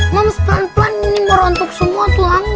mams pelan pelan ini merontok semua tulangnya